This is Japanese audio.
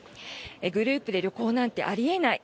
グループで旅行なんてあり得ない